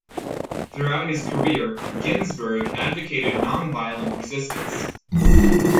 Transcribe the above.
Throughout his career, Ginzburg advocated nonviolent resistance.